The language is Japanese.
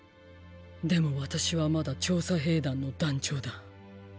でも私はまだ調査兵団の団長だ。